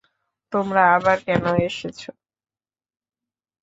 তোমরা আবার কেন এসেছো?